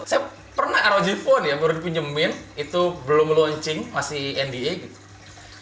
saya pernah rog phone ya baru dipinjemin itu belum launching masih nda gitu